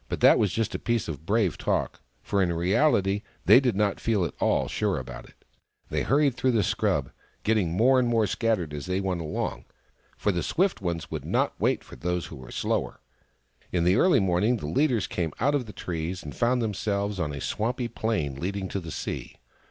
But that was just a piece of brave talk, for in reality they did not feel at all sure about it. They hurried through the scrub, getting more and more scattered as they went along, for the swift ones would not wait for those who were slower. In the early morning the leaders came out of the trees, and found themselves on a swampy plain leading to the sea.